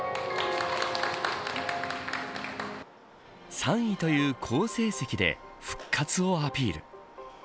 ３位という好成績で復活をアピール。